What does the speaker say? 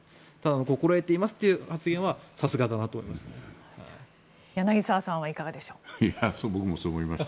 心得ていますという発言はさすがだなと思います。